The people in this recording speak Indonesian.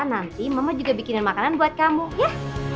nanti mama juga bikinan makanan buat kamu ya